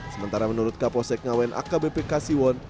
sementara menurut kapolsek ngawen akbp kasiwon